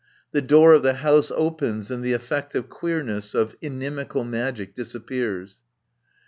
The door of the house opens and the effect of queerness, of inimical magic disappears.